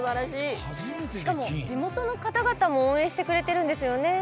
しかも、地元の方々も応援してくれているんですよね。